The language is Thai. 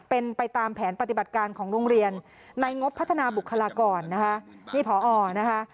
เป็นไปตามแผนปฏิบัติการของโรงเรียนในงบพัฒนาบุคลากรนะคะนี่พอนะคะ